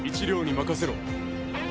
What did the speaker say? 任せろ！